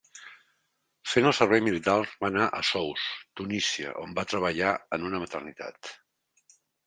Fent el servei militar va anar a Sousse, Tunísia on va treballar en una maternitat.